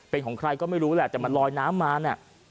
เป็นของใครก็ไม่รู้แหละแต่มันลอยน้ำมาน่ะ